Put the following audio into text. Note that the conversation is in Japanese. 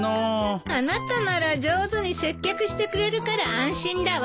あなたなら上手に接客してくれるから安心だわ。